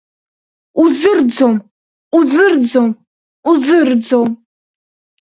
Узырӡом, узырӡом, узырӡом!